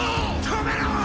止めろっ！